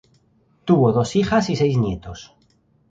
Tuvo dos hijas y seis nietos.